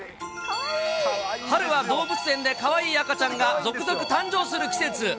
春は動物園でかわいい赤ちゃんが続々誕生する季節。